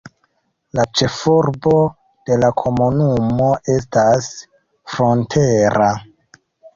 La ĉefurbo de la komunumo estas Frontera.